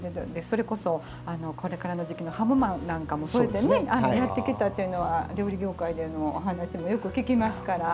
それこそこれからの時期のハモなんかもそれでねやっていけたっていうのは料理業界でのお話もよく聞きますから。